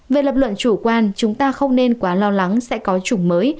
về lập luận chủ quan chúng ta không nên quá lo lắng sẽ có chủng mới